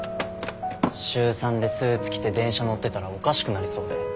週３でスーツ着て電車乗ってたらおかしくなりそうで。